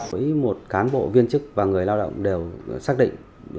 với một cán bộ viên chức và người lao động đều xác định